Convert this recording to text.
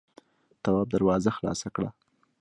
تواب دروازه خلاصه کړه.